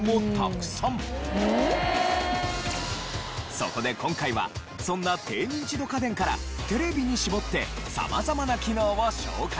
そこで今回はそんな低ニンチド家電からテレビに絞って様々な機能を紹介します。